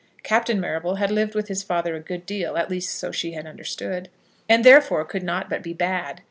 Captain Marrable had lived with his father a good deal, at least, so she had understood, and therefore could not but be bad.